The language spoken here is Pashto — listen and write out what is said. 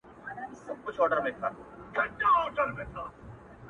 • د هوی و های د محفلونو د شرنګاه لوري_